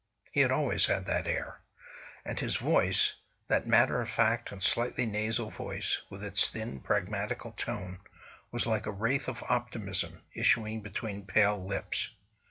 He had always had that air. And his voice—that matter of fact and slightly nasal voice, with its thin, pragmatical tone—was like a wraith of optimism, issuing between pale lips.